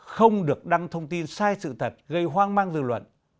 không được đăng thông tin sai sự thật gây hoang mang dư luận